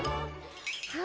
はい。